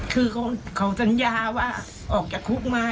คือเขาสัญญาว่าออกจากคุกมา